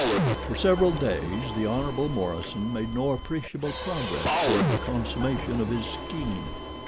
For several days the Hon. Morison made no appreciable progress toward the consummation of his scheme.